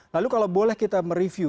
lalu kalau boleh kita mereview